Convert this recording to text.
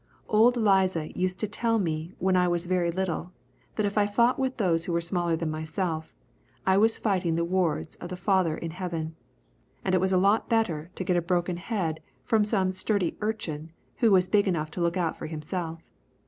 Old Liza used to tell me when I was very little that if I fought with those who were smaller than myself, I was fighting the wards of the Father in heaven, and it was a lot better to get a broken head from some sturdy urchin who was big enough to look out for himself.